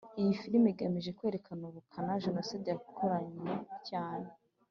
Iyi filimi igamije kwerekana ubukana Jenoside yakoranywe cyane